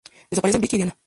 Desaparecen Vickie y Diana.